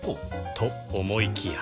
と思いきや